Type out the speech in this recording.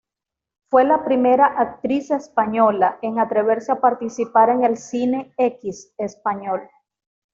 Fue la primera actriz española en atreverse a participar en el cine X español.